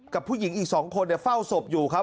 กับผู้หญิงอีก๒คนเฝ้าศพอยู่ครับ